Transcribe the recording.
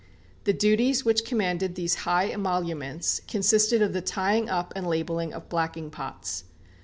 The duties which commanded these high emoluments consisted of the tying up and labelling of blacking pots.